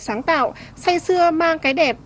sáng tạo say xưa mang cái đẹp